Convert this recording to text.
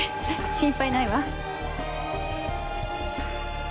心配ないわ。